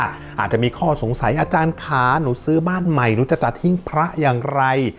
อาจจะมีข้อสงสัยอาจารย์ขาหนูซื้อบ้านใหม่หนูจะจัดทิ้งพระอย่างไร